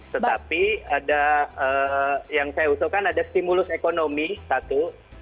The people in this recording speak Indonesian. tetapi ada yang saya usulkan ada stimulus ekonomi satu